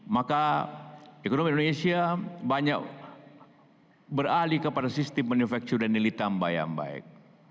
maka ekonomi indonesia banyak beralih kepada sistem manufaktur dan nilai tambah yang baik